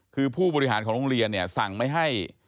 คือผู้บริหารของโรงเรียนเนี่ยสั่งไม่ให้